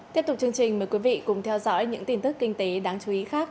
tiếp tục chương trình mời quý vị cùng theo dõi những tin tức kinh tế đáng chú ý khác